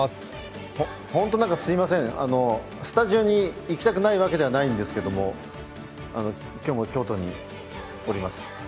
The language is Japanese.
本当にすみません、スタジオに行きたくないわけではないんですけれども、今日も京都におります。